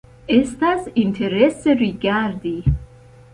Estas interese rigardi.